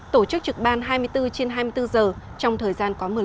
tổ chức trực ban hai mươi bốn trên hai mươi bốn giờ trong thời gian có mưa lũ